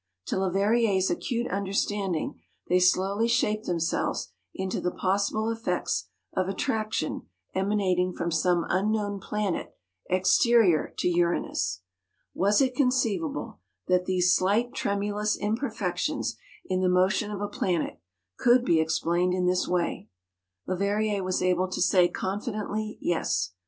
To Leverrier's acute understanding they slowly shaped themselves into the possible effects of attraction emanating from some unknown planet exterior to Uranus. Was it conceivable that these slight tremulous imperfections in the motion of a planet could be explained in this way? Leverrier was able to say confidently, "Yes."